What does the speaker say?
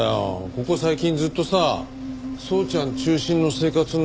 ここ最近ずっとさ宗ちゃん中心の生活になってたもんだから。